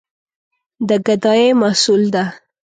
د ګدايي محصول ده.